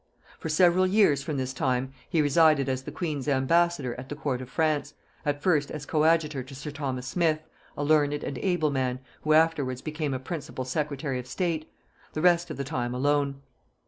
For several years from this time he resided as the queen's ambassador at the court of France, at first as coadjutor to sir Thomas Smith, a learned and able man, who afterwards became a principal secretary of state, the rest of the time alone.